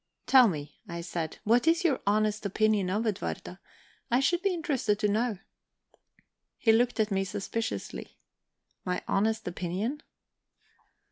"Tell me," I said, "what is your honest opinion of Edwarda? I should be interested to know." He looked at me suspiciously. "My honest opinion?"